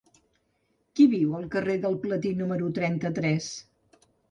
Qui viu al carrer del Platí número trenta-tres?